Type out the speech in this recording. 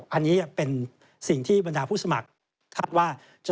อันนี้เป็นสิ่งที่บรรดาผู้สมัครคาดว่า